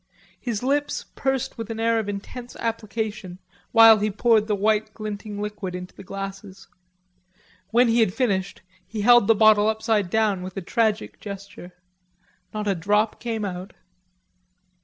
His lips pursed with an air of intense application, while he poured the white glinting liquid into the glasses. When he had finished he held the bottle upside down with a tragic gesture; not a drop came out.